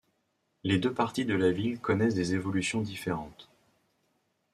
Les deux parties de la ville connaissent des évolutions différentes.